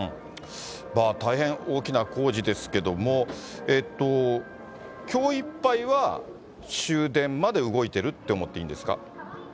大変大きな工事ですけれども、きょういっぱいは終電まで動いてるって思っていいんですか？